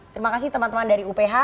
terima kasih teman teman dari uph